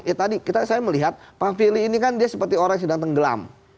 ya tadi saya melihat pak firly ini kan dia seperti orang yang sedang tenggelam